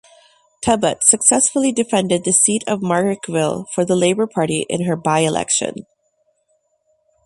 Tebbutt successfully defended the seat of Marrickville for the Labor Party in her by-election.